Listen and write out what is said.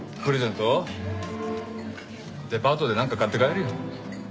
デパートでなんか買って帰るよ。